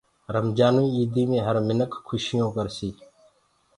رمجآنٚوئي ايٚدي مي هر مِنک کوشيونٚ ڪرسي